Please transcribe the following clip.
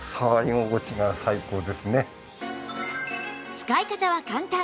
使い方は簡単